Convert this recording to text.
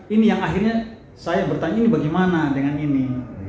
ini yang akhirnya saya bertanya ini bagaimana dengan ini